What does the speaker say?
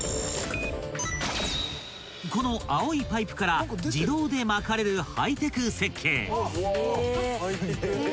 ［この青いパイプから自動でまかれるハイテク設計］